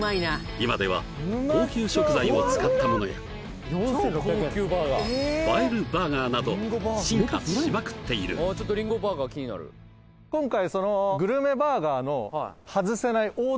今では高級食材を使ったものや映えるバーガーなど進化しまくっている今回